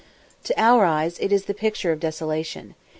To our eyes it is the picture of desolation.